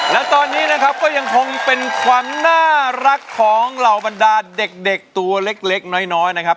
และตอนนี้นะครับก็ยังคงเป็นความน่ารักของเหล่าบรรดาเด็กตัวเล็กน้อยนะครับ